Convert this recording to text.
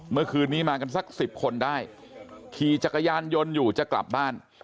เมื่อคืนนี้มากันสักสิบคนได้ขี่จักรยานยนต์อยู่จะกลับบ้าน